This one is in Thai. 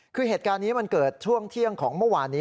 คือเหตุการณ์นี้มันเกิดช่วงเที่ยงของเมื่อวานนี้